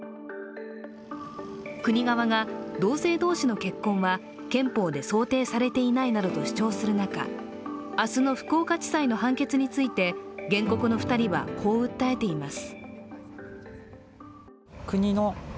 国側が同性同士の結婚は憲法で想定されていないなどと主張する中、明日の福岡地裁の判決について原告の２人は、こう訴えています。